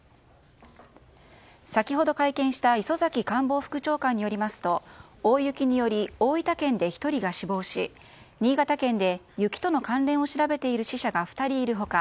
先ほど会見した磯崎官房副長官によりますと大雪により大分県で１人が死亡し新潟県で雪との関連を調べている死者が２人いる他